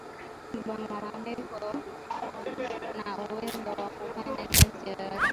Ba mama beko na uwezo wa kufanya kazi yoyote